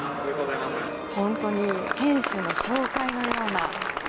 本当に選手の紹介のような。